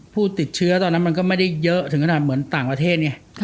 ผู้ติดเชื้อตอนนั้นมันก็ไม่ได้เยอะถึงขนาดเหมือนต่างประเทศไง